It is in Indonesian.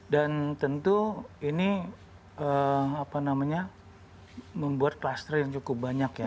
dan tentu ini membuat kluster yang cukup banyak ya